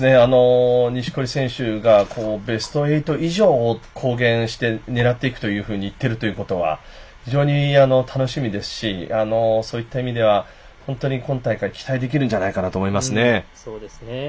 錦織選手がベスト８以上を公言して狙っていくというふうに言っているということは非常に楽しみですしそういった意味では本当に今大会期待できるんじゃないかと思いますね。